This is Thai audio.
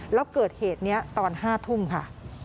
แล้วเกิดเหตุนี้ตอน๕ทุ่มค่ะ